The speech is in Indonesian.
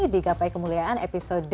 di gapai kemuliaan episode